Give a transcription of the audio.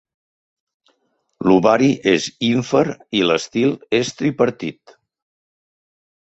L'ovari és ínfer i l'estil és tripartit.